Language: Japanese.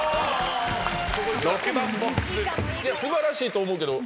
素晴らしいと思うけど。